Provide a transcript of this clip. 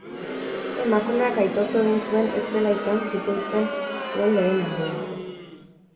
Emakumeak aitortu egin zuen ez zela izan jipoitzen zuen lehen aldia.